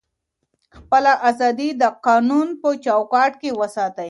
خپله ازادي د قانون په چوکاټ کي وساتئ.